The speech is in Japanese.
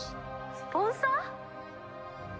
スポンサー？